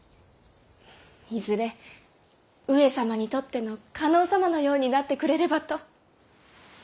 いずれ上様にとっての加納様のようになってくれればと。